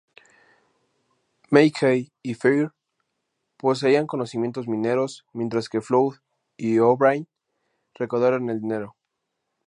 Mackay y Fair poseían conocimientos mineros, mientras que Flood y O'Brien recaudaron el dinero.